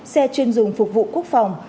xe chuyên dùng phục vụ quốc phòng